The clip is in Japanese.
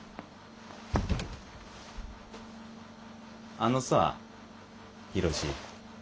あのさヒロシ。